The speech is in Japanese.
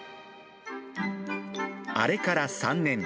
あれから３年。